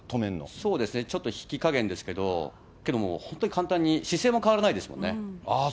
そうですね、ちょっと引き加減ですけど、もう、本当に簡単に、姿勢も変わらないですもんね。